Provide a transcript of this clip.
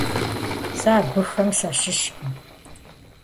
Сэ абыхэм сащыщкъым.